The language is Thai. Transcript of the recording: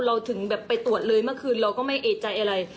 ถึงแบบไปตรวจเลยเมื่อคืนเราก็ไม่เอกใจอะไร